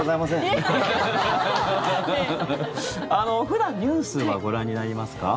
普段ニュースはご覧になりますか？